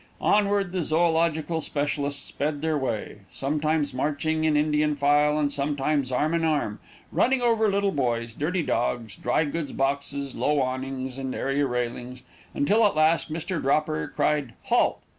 Onward the zoölogical specialists sped their way, sometimes marching in Indian file, and sometimes arm in arm, running over little boys, dirty dogs, drygoods boxes, low awnings and area railings, until at last Mr. Dropper cried "Halt!"